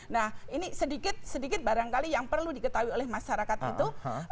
nah ini sedikit sedikit barangkali yang perlu diketahui oleh masyarakat itu